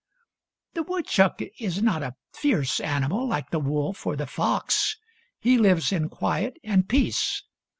" The woodchuck is not a fierce animal like the wolf or the fox. He lives in quiet and peace.